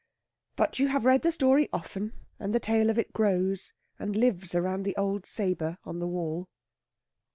But you have read the story often, and the tale of it grows and lives round the old sabre on the wall.